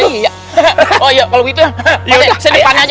iya iya oh iya kalau gitu pakde sedepan aja